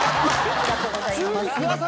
ありがとうございます。